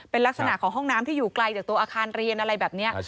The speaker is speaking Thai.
เป็นลักษณะของห้องน้ำที่อยู่ไกลจากตัวอาคารเรียนอะไรแบบนี้